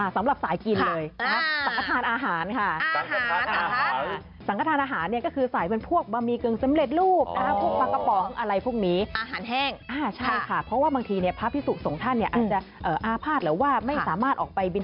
สำหรับสายกินเลยสังขทานอาหารค่ะ